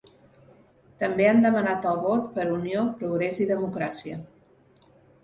També han demanat el vot per Unió, Progrés i Democràcia.